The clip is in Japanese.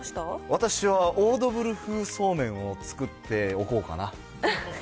私はオードブル風そうめんを作っておこうかな。